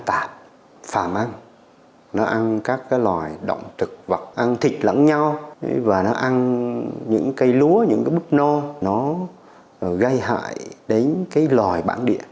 và phàm ăn nó ăn các loài động thực ăn thịt lẫn nhau và nó ăn những cây lúa những bức no nó gây hại đến loài bản địa